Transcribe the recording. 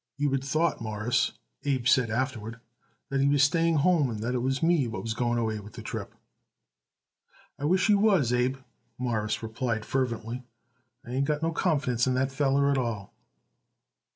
"You would thought, Mawruss," Abe said afterward, "that he was staying home and that it was me what goes away on the trip." "I wish you was, Abe," Morris replied fervently. "I ain't got no confidence in that feller at all."